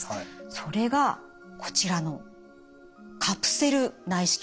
それがこちらのカプセル内視鏡なんです。